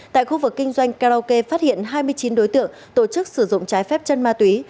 tại khu vực kinh doanh karaoke phát hiện hai mươi chín đối tượng tổ chức sử dụng trái phép chân ma túy